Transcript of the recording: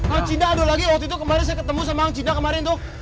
ang cinda ada lagi waktu itu kemaren saya ketemu sama ang cinda kemaren tuh